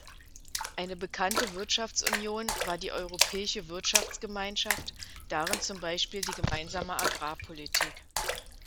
Eine bekannte Wirtschaftsunion war die Europäische Wirtschaftsgemeinschaft, darin zum Beispiel die Gemeinsame Agrarpolitik.